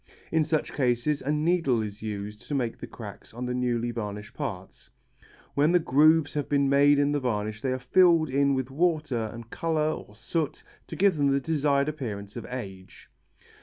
In such cases a needle is used to make the cracks on the newly varnished parts. When the grooves have been made in the varnish they are filled in with water and colour or soot to give them the desired appearance of age.